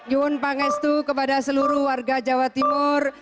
iyun pangestu kepada seluruh warga jawa timur